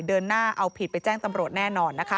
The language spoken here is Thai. เดินหน้าเอาผิดไปแจ้งตำรวจแน่นอนนะคะ